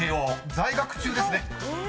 在学中ですね］